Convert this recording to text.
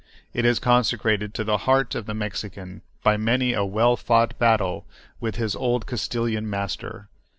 It is consecrated to the heart of the Mexican by many a well fought battle with his old Castilian master.